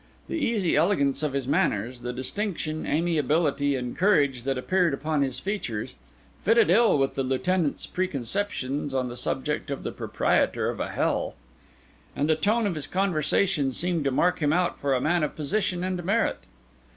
The easy elegance of his manners, the distinction, amiability, and courage that appeared upon his features, fitted very ill with the Lieutenant's preconceptions on the subject of the proprietor of a hell; and the tone of his conversation seemed to mark him out for a man of position and merit.